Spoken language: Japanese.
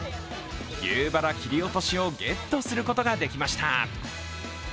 牛バラ切り落としをゲットすることができました。